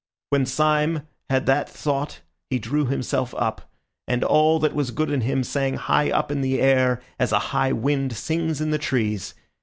When Syme had that thought he drew himself up, and all that was good in him sang high up in the air as a high wind sings in the trees.